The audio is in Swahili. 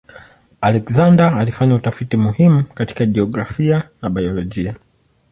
Alexander alifanya utafiti muhimu katika jiografia na biolojia.